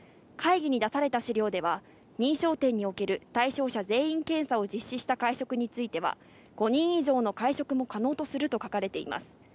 会議に出された資料では、飲食店における対象者全員検査を実施した会食については、５人以上の会食も可能とすると書かれています。